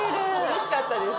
嬉しかったです。